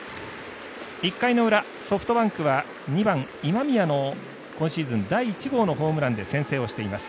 １回の裏、ソフトバンクは２番、今宮の今シーズン、第１号のホームランで先制をしています。